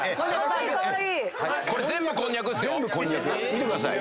見てください。